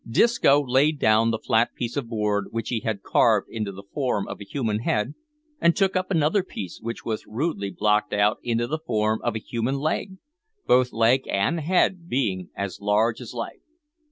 Disco laid down the flat piece of board which he had carved into the form of a human head, and took up another piece, which was rudely blocked out into the form of a human leg both leg and head being as large as life.